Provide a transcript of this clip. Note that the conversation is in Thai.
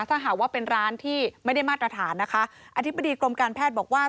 ถ้าหากว่าเป็นร้านที่ไม่ได้มาตรฐานนะคะอธิบดีกรมการแพทย์บอกว่า